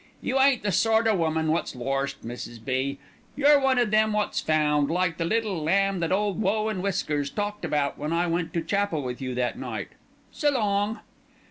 "You ain't the sort o' woman wot's lorst, Mrs. B., you're one o' them wot's found, like the little lamb that Ole Woe and Whiskers talked about when I went to chapel with you that night. S'long."